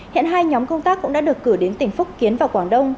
hiện hai nhóm công tác cũng đã được cử đến tỉnh phúc kiến và quảng đông